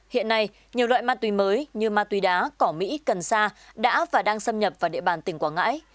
hiện nay nhiều loại ma túy mới như ma túy đá cỏ mỹ cần sa đã và đang xâm nhập vào địa bàn tỉnh quảng ngãi